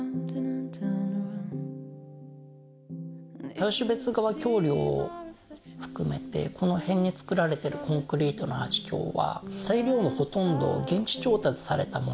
タウシュベツ川橋梁を含めてこの辺に造られているコンクリートのアーチ橋は材料のほとんどを現地調達されたものなんですよね。